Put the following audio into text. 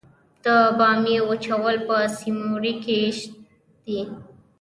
د بامیې وچول په سیوري کې ښه دي؟